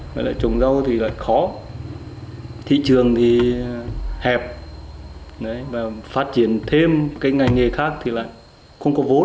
với lại trồng rau thì lại khó thị trường thì hẹp và phát triển thêm cái ngành nghề khác thì lại không có vốn